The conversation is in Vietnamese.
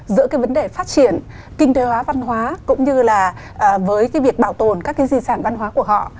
giữa cái vấn đề phát triển kinh tế hóa văn hóa cũng như là với cái việc bảo tồn các cái di sản văn hóa của họ